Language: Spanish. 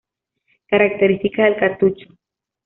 Características del cartucho